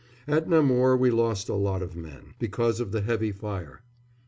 At Namur we lost a lot of men, because of the heavy gun fire.